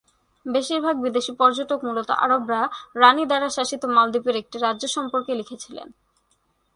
বেশিরভাগ বিদেশী পর্যটক, মূলত আরবরা, রাণী দ্বারা শাসিত মালদ্বীপের একটি রাজ্য সম্পর্কে লিখেছিলেন।